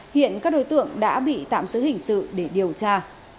hiện các đối tượng đã bị tạm giữ hình sự để điều tra